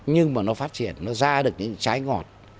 nhưng mà nó phát triển nó ra được những trái ngọt